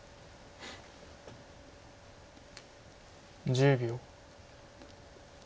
１０秒。